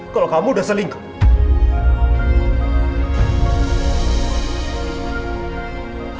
kalau kamu udah selingkuh